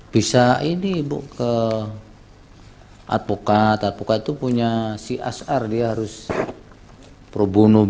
bisa ini ibu ke advokat advokat itu punya si asar dia harus pro bono bis